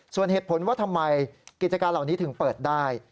ส่วนเหตุผลว่าทำไมกิจการเหล่านี้ถึงเปิดได้